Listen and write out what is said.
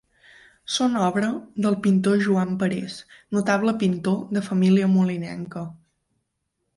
Són obra del pintor Joan Parés, notable pintor de família molinenca.